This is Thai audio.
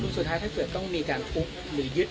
สุดท้ายถ้าเกิดต้องมีการทุบหรือยึด